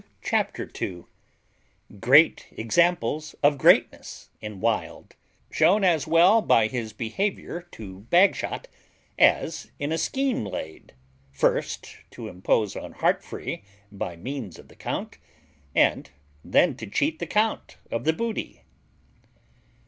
CHAPTER TWO GREAT EXAMPLES OF GREATNESS IN WILD, SHEWN AS WELL BY HIS BEHAVIOUR TO BAGSHOT AS IN A SCHEME LAID, FIRST, TO IMPOSE ON HEARTFREE BY MEANS OF THE COUNT, AND THEN TO CHEAT THE COUNT OF THE BOOTY.